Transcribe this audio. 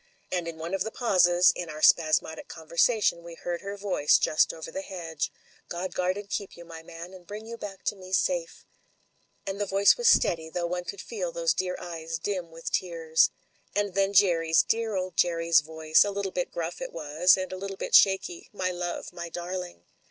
And in cme of the pauses in our spasmodic conversation we heard her voice, just over the hedge : ''God guard and keep you, my man, and bring you back to me safe !" And the voice was steady, though one could feel those dear eyes dim with tears. And then Jerry's, dear old Jerry's voice — a little bit gruff it was, and a little bit shaky: "My love! My darling!"